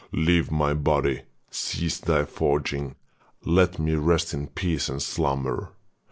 Leave my body, cease thy forging, let me rest in peace and slumber.